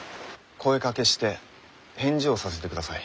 声かけして返事をさせてください。